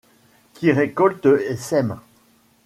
Qui récolte et sème